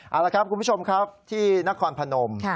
เอาละครับคุณผู้ชมครับที่นครพนม